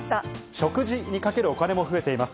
食事にかけるお金も増えています。